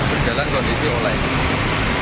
berjalan kondisi olah ini